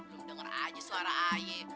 belum dengar aja suara ayah